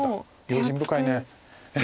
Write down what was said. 用心深い。